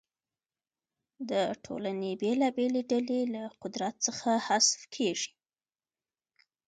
د ټولنې بېلابېلې ډلې له قدرت څخه حذف کیږي.